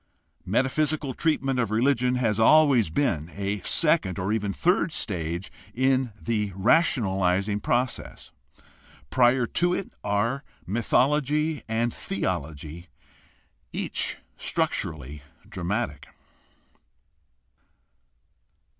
Meta physical treatment of religion has always been a second or even third stage in the rationalizing process. Prior to it are mythology and theology, each structurally dramatic.